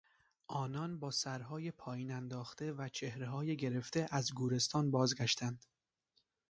آنان با سرهای پایین انداخته و چهرههای گرفته از گورستان بازگشتند.